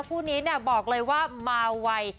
คู่นี้บอกเลยว่ามาวัย